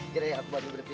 gini ya aku bantu berhenti